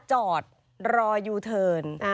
จอดรอยุเทิอน